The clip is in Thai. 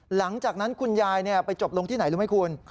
หลังจากนั้นคุณยายไปจบลงที่ไหนรู้ไหมคุณ